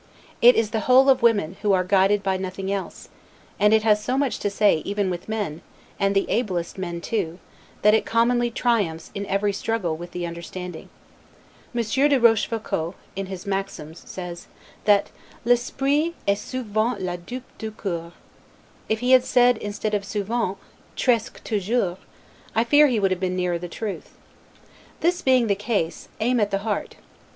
It is the whole of women, who are guided by nothing else: and it has so much to say, even with men, and the ablest men too, that it commonly triumphs in every struggle with the understanding. Monsieur de Rochefoucault, in his "Maxims," says, that 'l'esprit est souvent la dupe du coeur.' If he had said, instead of 'souvent, tresque toujours', I fear he would have been nearer the truth. This being the case, aim at the heart.